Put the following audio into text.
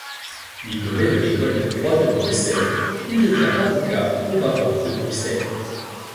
Diplômé de l’École de droit de Bruxelles, il devient avocat au barreau de Bruxelles.